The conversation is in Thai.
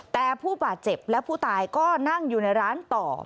แต่ผู้บาดเจ็บและผู้ตายก็นั่งอยู่ในร้านต่อ